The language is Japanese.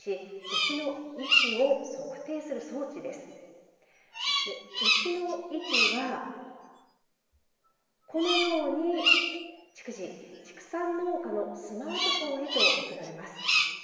牛の位置はこのように逐次、畜産農家のスマートフォンへと送られます。